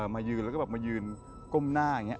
มายืนแล้วก็แบบมายืนก้มหน้าอย่างนี้